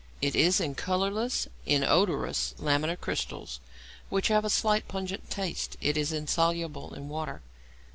It is in colourless, inodorous, lamellar crystals, which have a slight pungent taste. It is insoluble in water.